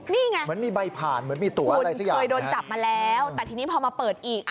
นี่ไงคุณเคยโดนจับมาแล้วแต่ทีนี้พอมาเปิดอีก